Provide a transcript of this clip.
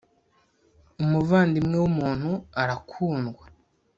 umuvandimwe w umuntu arakundwa